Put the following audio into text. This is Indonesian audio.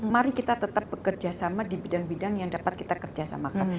mari kita tetap bekerja sama di bidang bidang yang dapat kita kerjasamakan